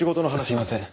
すいません。